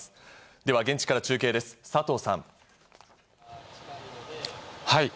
では、現地から中継です、佐藤さはい。